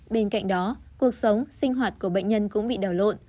bên cạnh đó cuộc sống sinh hoạt của bệnh nhân cũng bị đảo lộn